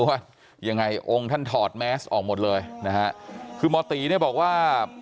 ว่ายังไงองค์ท่านถอดแมสออกหมดเลยนะฮะคือหมอตีเนี่ยบอกว่า